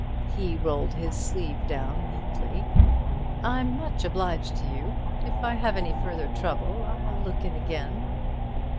He rolled his sleeve down neatly. "I'm much obliged to you. If I have any further trouble I'll look in again."